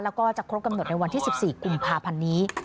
แล้วก็จะครบกำหนดในวันที่๑๔กุมภาพันธ์นี้